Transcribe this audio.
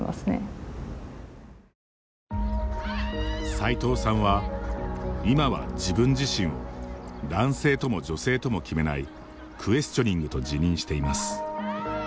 齊藤さんは、今は自分自身を男性とも女性とも決めないクエスチョニングと自認しています。